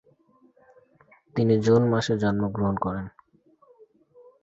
তিনি জুন মাসে জন্মগ্রহণ করেন।